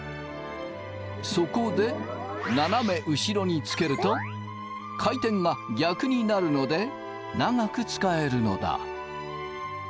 そこで斜め後ろにつけると回転が逆になるので長く使えるのだ。